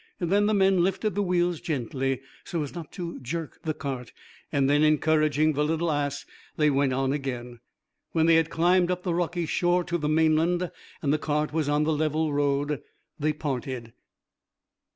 Then the men lifted the wheels gently, so as not to jerk the cart, and then encouraging the little ass, they went on again. When they had climbed up the rocky shore to the mainland, and the cart was on the level road, they parted.